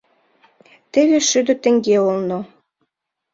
Теве шӱдӧ теҥге олно!